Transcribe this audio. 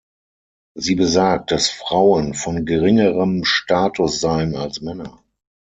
Sie besagt, dass Frauen von geringerem Status seien als Männer.